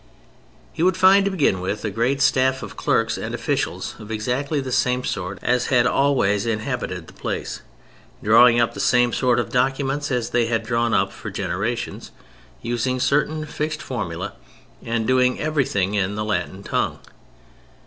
He would find, to begin with, a great staff of clerks and officials, of exactly the same sort as had always inhabited the place, drawing up the same sort of documents as they had drawn up for generations, using certain fixed formulæ, and doing everything in the Latin tongue.